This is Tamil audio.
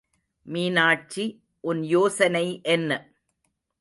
மீனாட்சி உன் யோசனை என்ன?